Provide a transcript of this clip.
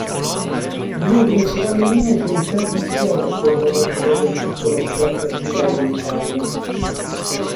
Due principali linee di interdizione furono mantenute in tutto lo stretto stivale d'Italia.